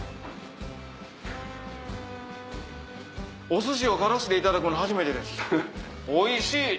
お寿司をカラシでいただくの初めてですおいしい！